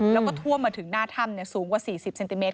แล้วก็ท่วมมาถึงหน้าถ้ำสูงกว่า๔๐เซนติเมต